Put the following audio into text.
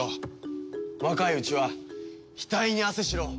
若いうちは額に汗しろ。